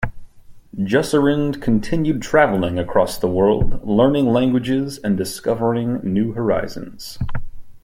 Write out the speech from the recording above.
Jusserand continued travelling across the world, learning languages and discovering new horizons.